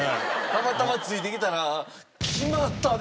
たまたまついてきたら。